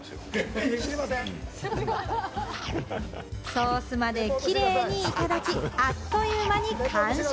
ソースまでキレイにいただき、あっという間に完食。